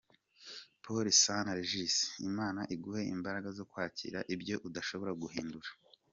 pole sana Regis Imana iguhe imbaraga zo kwakira ibyo udashobora guhindura.